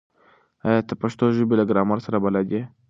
ایا ته د پښتو ژبې له ګرامر سره بلد یې؟